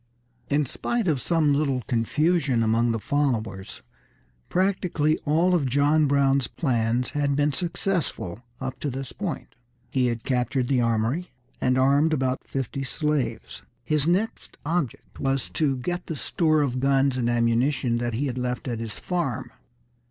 In spite of some little confusion among his followers, practically all of John Brown's plans had been successful up to this point. He had captured the armory, and armed about fifty slaves. His next object was to get the store of guns and ammunition that he had left at his farm.